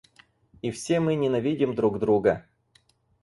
И все мы ненавидим друг друга.